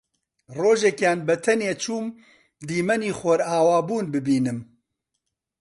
ڕۆژێکیان بەتەنێ چووم دیمەنی خۆرئاوابوون ببینم